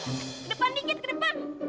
ke depan dingin ke depan